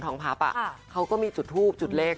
ท้องพับอะเขาก็มีจุดฮูบจุดเล็ก